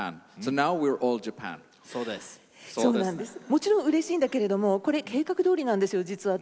もちろんうれしいんだけれどもこれ計画どおりなんですよ実は。